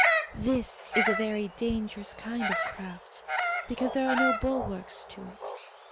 "This is a very dangerous kind of craft, because there are no bulwarks to it.